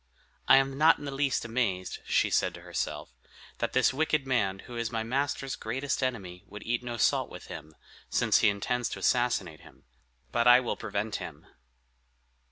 "I am not in the least amazed," said she to herself, "that this wicked man, who is my master's greatest enemy, would eat no salt with him, since he intends to assassinate him; but I will prevent him."